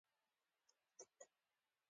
موږ د هوسۍ د غوښې سټیک او ساسج یادوو